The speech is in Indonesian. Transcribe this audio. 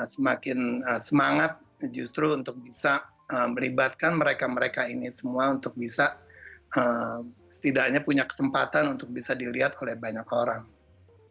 semakin semangat justru untuk bisa melibatkan mereka mereka ini semua untuk bisa setidaknya punya kesempatan untuk bisa dilihat oleh banyak orang